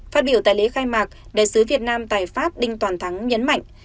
phát biểu tại lễ khai mạc đại sứ việt nam tại pháp đinh toàn thắng nhấn mạnh